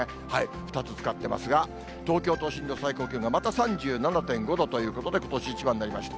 ２つ使ってますが、東京都心の最高気温がまた３７．５度ということで、ことし一番になりました。